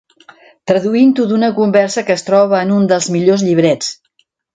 Traduint-ho d'una conversa que es troba en un dels millors llibrets.